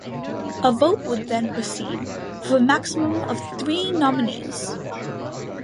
A vote would then proceed, with a maximum of three nominees.